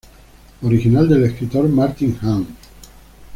Original del escritor Martín Hahn.